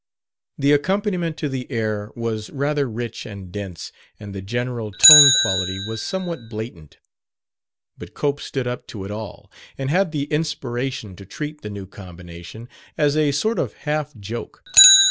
The accompaniment to the air was rather rich and dense, and the general tone quality was somewhat blatant. But Cope stood up to it all, and had the inspiration to treat the new combination as a sort of half joke.